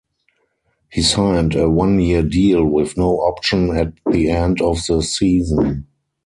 He signed a one-year deal with no option at the end of the season.